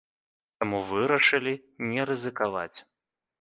Таму вырашылі не рызыкаваць.